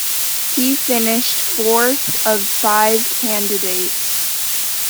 He finished fourth of five candidates.